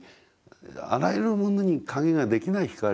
あらゆるものに影ができない光。